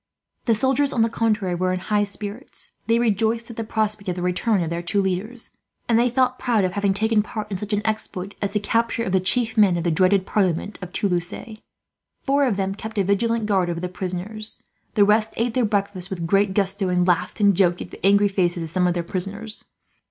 The soldiers, on the contrary, were in high spirits. They rejoiced at the prospect of the return of their two leaders, and they felt proud of having taken part in such an exploit as the capture of the chief men of the dreaded parliament of Toulouse. Four of them kept a vigilant guard over the prisoners. The rest ate their breakfast with great gusto, and laughed and joked at the angry faces of some of their prisoners.